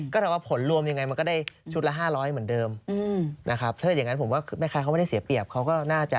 ก็ถามว่าผลรวมยังไงมันก็ได้ชุดละ๕๐๐เหมือนเดิมนะครับถ้าอย่างนั้นผมว่าแม่ค้าเขาไม่ได้เสียเปรียบเขาก็น่าจะ